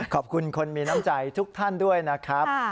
ขอบคุณคนมีน้ำใจทุกท่านด้วยนะครับ